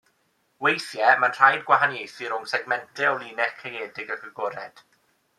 Weithiau mae'n rhaid gwahaniaethu rhwng segmentau o linell caeedig ac agored.